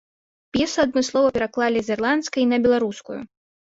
П'есу адмыслова пераклалі з ірландскай на беларускую.